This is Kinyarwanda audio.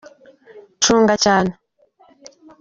cunga cyane.